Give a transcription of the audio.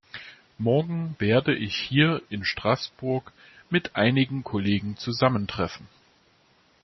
Morgen werde ich hier in Straßburg mit einigen Kollegen zusammentreffen.